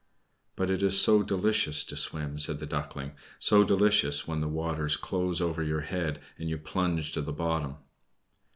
"But it is so delicious to swim!" said the Duckling. "So delicious when the waters close over your head, and you plunge to the bottom!"